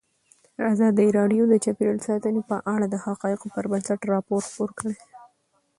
ازادي راډیو د چاپیریال ساتنه په اړه د حقایقو پر بنسټ راپور خپور کړی.